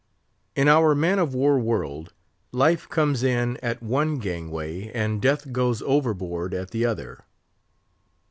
In our man of war world, Life comes in at one gangway and Death goes overboard at the other.